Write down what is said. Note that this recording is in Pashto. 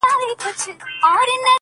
o د لاس د گوتو تر منځ لاهم فرق سته.